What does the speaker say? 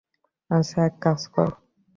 আচ্ছা, এক কাজ কর।